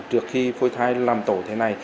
trước khi phôi thai làm tổ thế này